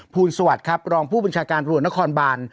ลสวัสดิ์ครับรองผู้บัญชาการตำรวจนครบาน